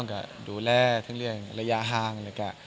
ก็ดูแลทั้งเรื่องระยะห่าง